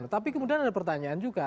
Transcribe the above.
tapi kemudian ada pertanyaan juga